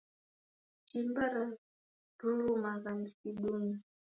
Shimba yarurumagha msidunyi